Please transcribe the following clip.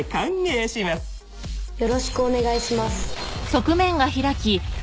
よろしくお願いします